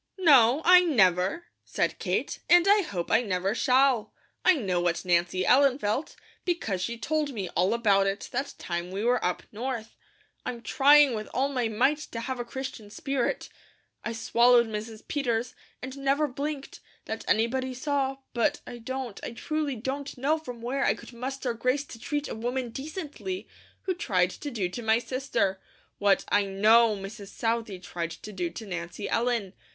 "No, I never," said Kate, "and I hope I never shall. I know what Nancy Ellen felt, because she told me all about it that time we were up North. I'm trying with all my might to have a Christian spirit. I swallowed Mrs. Peters, and never blinked, that anybody saw; but I don't, I truly don't know from where I could muster grace to treat a woman decently, who tried to do to my sister, what I KNOW Mrs. Southey tried to do to Nancy Ellen.